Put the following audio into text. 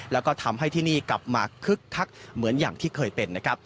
แล้วก็ทำให้ที่นี่กลับมาคึกคักเหมือนอย่างที่เคยเป็นนะครับ